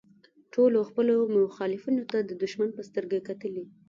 ټولو خپلو مخالفینو ته د دوښمن په سترګه کتلي.